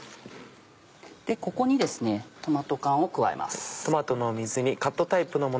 ここにトマト缶を加えます。